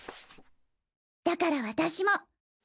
だから私も。